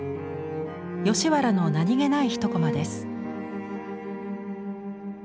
吉原の何気ない一コマです。